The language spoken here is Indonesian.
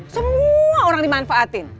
semua orang dimanfaatin